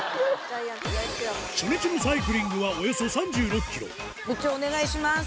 初日のサイクリングはおよそ３６ｋｍ部長お願いします。